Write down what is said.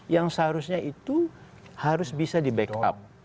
yang seharusnya itu harus bisa di backup